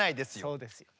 そうですよね。